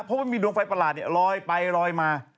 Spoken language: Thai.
พบว่ามีดวงไฟประหลาดเนี่ยลอยไปลอยมา